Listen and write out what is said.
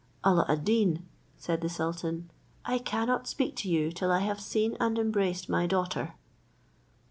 "Alla ad Deen," said the sultan, "I cannot speak to you till I have seen and embraced my daughter."